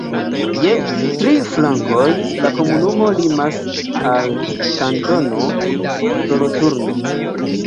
Je tri flankoj la komunumo limas al Kantono Soloturno.